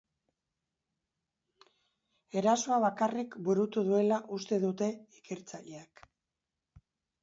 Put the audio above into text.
Erasoa bakarrik burutu duela uste dute ikertzaileek.